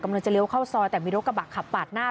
เลี้ยวเข้าซอยแต่มีรถกระบะขับปาดหน้า